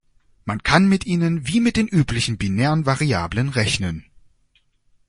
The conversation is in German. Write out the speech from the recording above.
Man kann mit ihnen wie mit den üblichen binären Variablen rechnen.